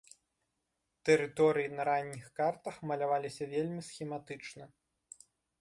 Тэрыторыі на ранніх картах маляваліся вельмі схематычна.